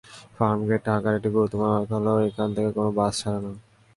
ফার্মগেট ঢাকার একটি গুরুত্বপূর্ণ এলাকা হলেও এখান থেকে কোনো বাস ছাড়ে না।